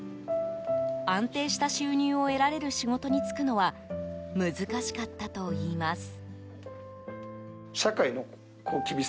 安定した収入を得られる仕事に就くのは難しかったといいます。